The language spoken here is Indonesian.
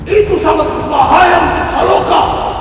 itu sangat berbahaya untuk saloka